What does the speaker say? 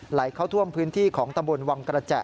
ไหลเข้าท่วมพื้นที่ของตำบลวังกระแจ